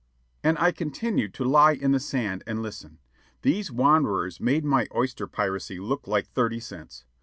'" And I continued to lie in the sand and listen. These wanderers made my oyster piracy look like thirty cents.